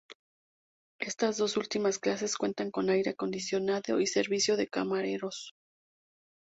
Estas dos últimas clases cuentan con aire acondicionado y servicio de camareros.